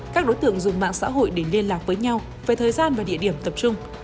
các đối tượng dùng mạng xã hội để liên lạc với nhau về thời gian và địa điểm tập trung